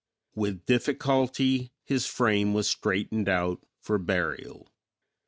With difficulty his frame was straightened out for burial.